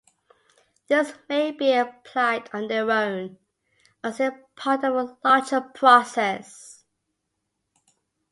These may be applied on their own, or as part of a larger process.